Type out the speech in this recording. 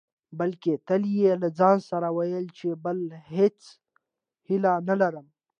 بلکې تل يې له ځانه سره ويل چې بله هېڅ هيله نه لري.